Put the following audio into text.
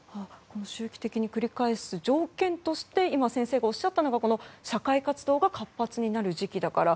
周期的に繰り返す条件として今、先生がおっしゃったのが社会活動が活発になる時期だから。